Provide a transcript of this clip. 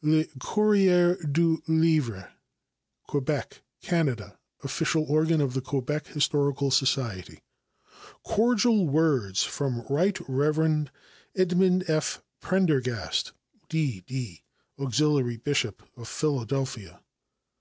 Le Courrier Du Livre, Quebec, Canada, official organ of the Quebec Historical Society. Cordial Words from Right Rev. Edmond F. Prendergast, D. D., Auxiliary Bishop of Philadelphia.